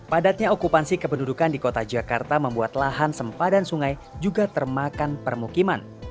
padatnya okupansi kependudukan di kota jakarta membuat lahan sempadan sungai juga termakan permukiman